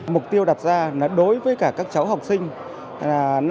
mục tiêu đặt ra là đối với các cơ quan đơn vị trên địa bàn thành phố hà nội